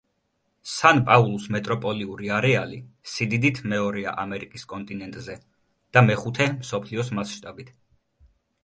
სან-პაულუს მეტროპოლიური არეალი სიდიდით მეორეა ამერიკის კონტინენტზე და მეხუთე მსოფლიოს მასშტაბით.